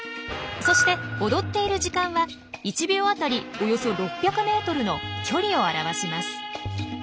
そして踊っている時間は１秒当たりおよそ６００メートルの距離を表します。